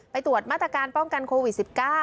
ตรวจมาตรการป้องกันโควิด๑๙